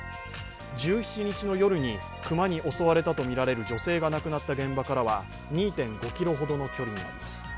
１７日の夜に熊に襲われたとみられる女性が亡くなった現場からは２．５ｋｍほどの距離になります。